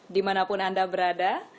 dimanapun anda berada